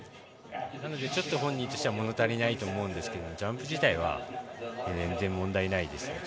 なので本人としてはもの足りないと思うんですけどジャンプ自体は全然問題ないです。